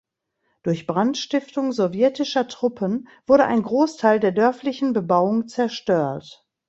Durch Brandstiftung sowjetischer Truppen wurde ein Großteil der dörflichen Bebauung zerstört.